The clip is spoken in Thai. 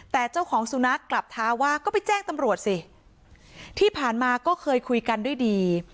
แต่เจ้าของสุนัขกลับท้าว่าก็ไปแจ้งตำรวจสิที่ผ่านมาก็เคยคุยกันด้วยดี